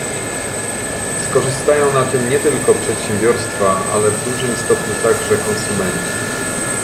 Skorzystają na tym nie tylko przedsiębiorstwa, ale w dużym stopniu także konsumenci